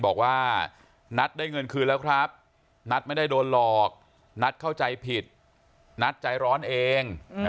บอกว่านัทได้เงินคืนแล้วครับนัทไม่ได้โดนหลอกนัทเข้าใจผิดนัทใจร้อนเอง